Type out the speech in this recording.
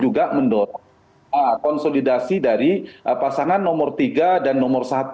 juga mendorong konsolidasi dari pasangan nomor tiga dan nomor satu